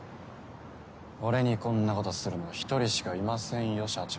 俺にこんなことするの１人しかいませんよ社長。